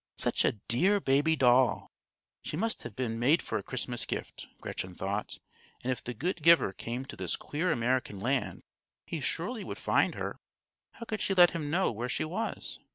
Such a dear baby doll! She must have been made for a Christmas gift, Gretchen thought; and if the good giver came to this queer American land, he surely would find her. How could she let him know where she was?